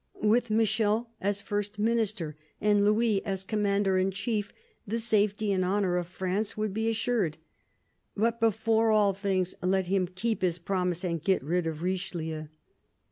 With Michel as First Minister and Louis as Commander in chief, the safety and honour of France would be assured. But before all things let him keep his promise and be rid of Richelieu.